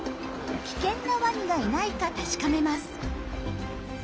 危険なワニがいないか確かめます。